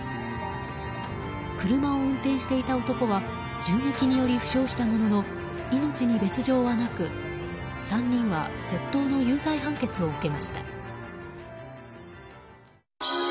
車を運転していた男は銃撃により負傷したものの命に別条はなく、３人は窃盗の有罪判決を受けました。